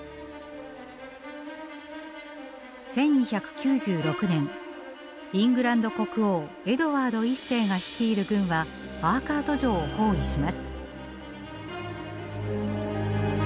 １２９６年イングランド国王エドワード１世が率いる軍はアーカート城を包囲します。